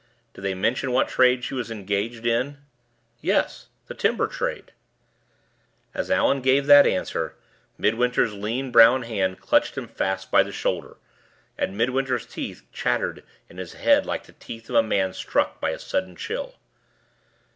"Did they mention what trade she was engaged in?" "Yes; the timber trade." As Allan gave that answer, Midwinter's lean brown hand clutched him fast by the shoulder, and Midwinter's teeth chattered in his head like the teeth of a man struck by a sudden chill.